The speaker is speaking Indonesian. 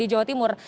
di jawa timur